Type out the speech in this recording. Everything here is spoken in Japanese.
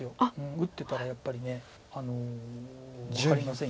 打ってたらやっぱり分かりません。